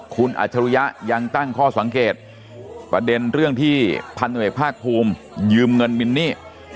คุณอัจฉริยะยังตั้งข้อสังเกตประเด็นเรื่องที่พันธุรกิจภาคภูมิยืมเงินมินนี่